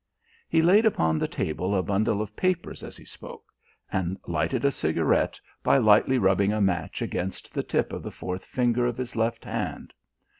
He laid upon the table a bundle of papers as he spoke, and lighted a cigarette by lightly rubbing a match against the tip of the fourth finger of his left hand.